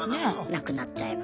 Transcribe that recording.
なくなっちゃえば。